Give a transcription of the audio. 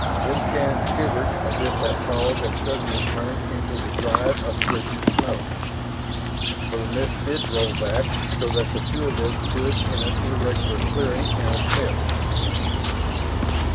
Then Shann shivered as if that fog had suddenly turned into the drive of frigid snow. For the mist did roll back so that the two of them stood in an irregular clearing in its midst.